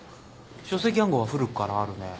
書籍暗号は古くからあるね。